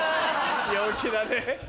陽気だね。